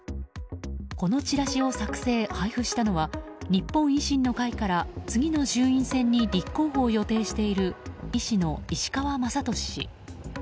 このチラシを作成・配布したのは日本維新の会から次の衆院選に立候補を予定している医師の石川雅俊氏。